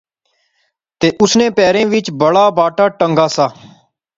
تہ اس نے پیریں وچ بڑا باٹا ٹہنگا سا